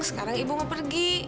sekarang ibu mau pergi